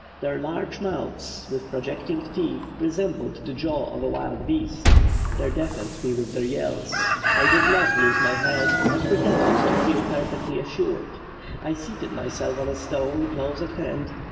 Their large mouths, with projecting teeth, resembled the jaw of a wild beast. They deafened me with their yells.... I did not lose my head, but pretending to feel perfectly assured, I seated myself on a stone close at hand....